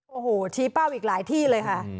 โอ้โหชี้เป้าอีกหลายที่เลยค่ะ